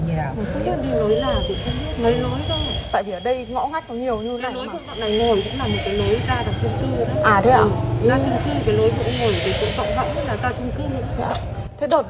thế đợt lúc nó mất tích là nó cũng chơi ở cái khu này thôi thế ạ